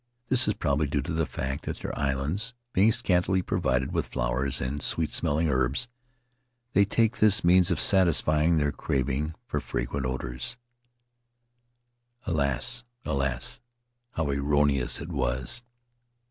This is probably due to the fact that their islands, being scantly provided with flowers and sweet smelling herbs, they take this means of satisfying their craving for fragrant odors." Alas ! Alas ! How erroneous it was!